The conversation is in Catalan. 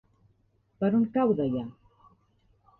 Per on cau Deià?